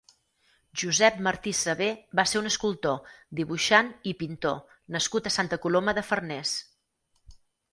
Josep Martí Sabé va ser un escultor, dibuixant i pintor nascut a Santa Coloma de Farners.